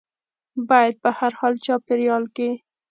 باید په هر چاپیریال کې